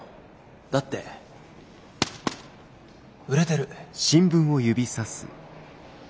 だって売れてる。